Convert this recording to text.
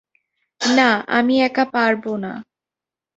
না, আমি একা পারব না।